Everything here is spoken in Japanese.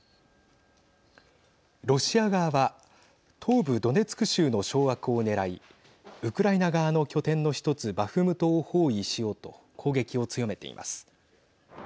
ロシア側は東部ドネツク州の掌握を狙いウクライナ側の拠点の１つバフムトを包囲しようと攻撃を強めています。